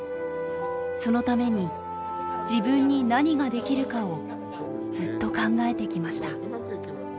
そのために自分に何ができるかをずっと考えてきました。